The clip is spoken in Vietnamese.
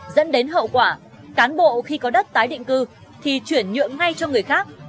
dẫn đến hậu quả cán bộ khi có đất tái định cư thì chuyển nhượng ngay cho người khác